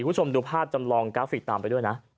คุณผู้ชมดูภาพจำลองกราฟิกตามไปด้วยนะ